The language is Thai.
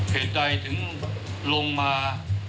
เหตุใดถึงลงมา